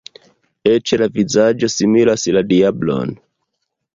Eĉ la vizaĝo similas la diablon!